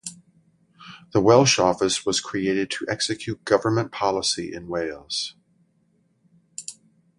The Welsh Office was created to execute government policy in Wales.